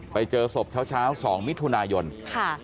ไปเจอศพเช้า๒มิถุนายนค่ะ